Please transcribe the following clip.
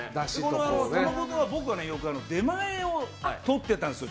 玉子丼、僕はよく出前を取っていたんですよ。